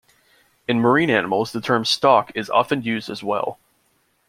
In marine animals the term "stock" is often used as well.